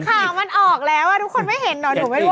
ข่าวมันออกแล้วทุกคนไม่เห็นหรอ